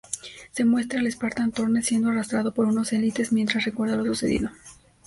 Se muestra al Spartan Thorne siendo arrastrado por unos Élites, mientras recuerda lo sucedido.